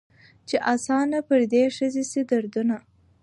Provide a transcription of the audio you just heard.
چي آسانه پر دې ښځي سي دردونه